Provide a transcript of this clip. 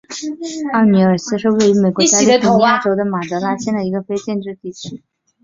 奥尼尔斯是位于美国加利福尼亚州马德拉县的一个非建制地区。